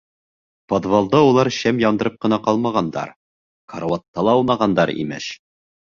Подвалда улар шәм яндырып ҡына ҡалмағандар, карауатта ла аунағандар, имеш.